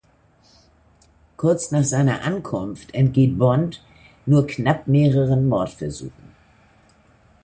Kurz nach seiner Ankunft entgeht Bond nur knapp mehreren Mordversuchen.